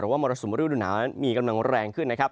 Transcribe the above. หรือว่ามรสุมริวดุหนามีกำลังแรงขึ้นนะครับ